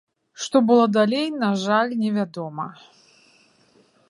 Што было далей, на жаль невядома.